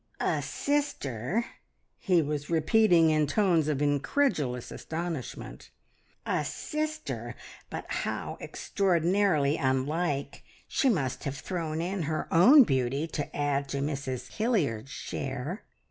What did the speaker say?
"...A sister!" he was repeating in tones of incredulous astonishment. "A sister! But how extraordinarily unlike! She must have thrown in her own beauty to add to Mrs Hilliard's share!"